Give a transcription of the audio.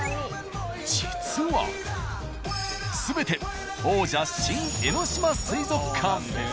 実は全て王者・新江ノ島水族館。